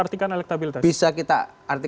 karena saya pel order